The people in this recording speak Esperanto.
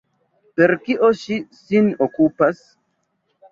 Per kio ŝi sin okupas?